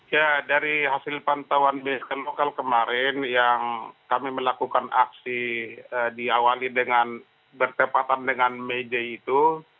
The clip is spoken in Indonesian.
ya dari hasil pantauan bsm lokal kemarin yang kami melakukan aksi diawali dengan bertepatan dengan meja itu